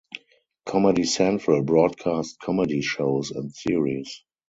Comedy Central broadcast comedy shows and series.